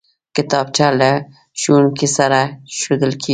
کتابچه له ښوونکي سره ښودل کېږي